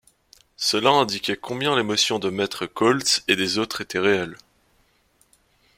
Cela indiquait combien l’émotion de maître Koltz et des autres était réelle.